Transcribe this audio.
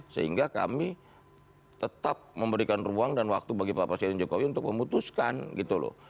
sehingga kami tetap memberikan ruang dan waktu bagi pak presiden jokowi untuk memutuskan gitu loh